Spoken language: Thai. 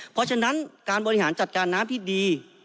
เพราะฉะนั้นการบริหารจัดการน้ำที่ดี